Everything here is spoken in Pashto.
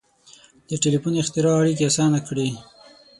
• د ټیلیفون اختراع اړیکې آسانه کړې.